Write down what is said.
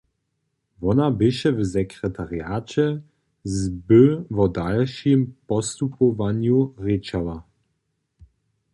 Wona běše w sekretariaće, z by wo dalšim postupowanju rěčała.